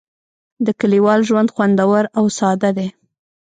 د کلیوال ژوند خوندور او ساده دی.